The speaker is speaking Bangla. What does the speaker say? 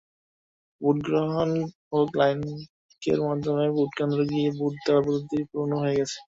ভোট গ্রহণ হোক লাইকের মাধ্যমেভোটকেন্দ্রে গিয়ে ভোট দেওয়ার পদ্ধতি পুরোনো হয়ে গেছে।